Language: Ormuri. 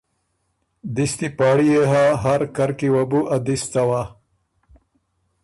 دِستی پاړی يې هۀ هر کر کی وه بُو ا دِس څوا،